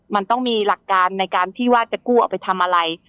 มันต้องมีหลักการในการที่ว่าจะกู้เอาไปทำอะไร